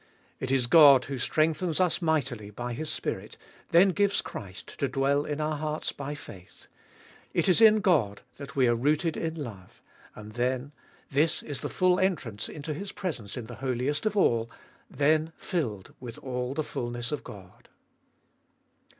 It is God who strengthens us mightily by His Spirit, then gives Christ to dwell in our hearts by faith ; it is in God that we are rooted in love ; 278 tTbe Doliest of HU and then — this is the full entrance into His presence in the Holiest of All — then filled with all the fulness of God.